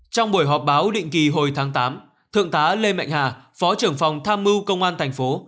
trong buổi họp báo định kỳ hồi tháng tám thượng tá lê mạnh hà phó trưởng phòng tham mưu công an thành phố